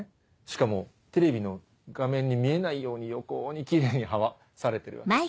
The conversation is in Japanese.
しかもテレビの画面に見えないように横にキレイにはわされてるわけだ。